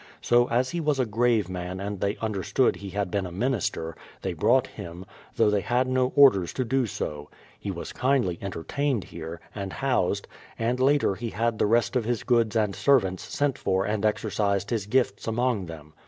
So, as he was a grave man and they understood he had been a min ister, they brought him, though they had no orders to do so. He was kindly entertained here, and housed, and later he had the rest of his goods and servants sent for and exercised his gifts among them.